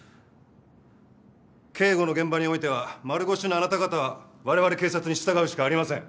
警護の現場においては丸腰のあなた方は我々警察に従うしかありません。